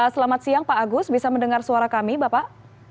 selamat siang pak agus bisa mendengar suara kami bapak